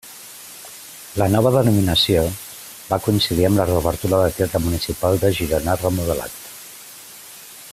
La nova denominació va coincidir amb la reobertura del Teatre Municipal de Girona remodelat.